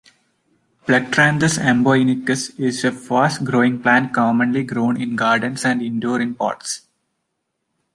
"Plectranthus amboinicus" is a fast-growing plant commonly grown in gardens and indoor in pots.